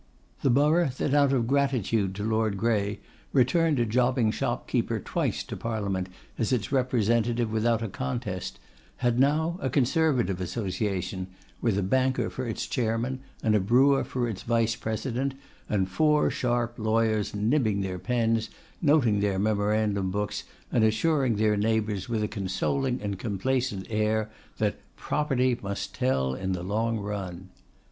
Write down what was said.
The borough that out of gratitude to Lord Grey returned a jobbing shopkeeper twice to Parliament as its representative without a contest, had now a Conservative Association, with a banker for its chairman, and a brewer for its vice president, and four sharp lawyers nibbing their pens, noting their memorandum books, and assuring their neighbours, with a consoling and complacent air, that 'Property must tell in the long run.